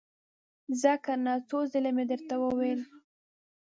ځه کنه! څو ځلې مې درته وويل!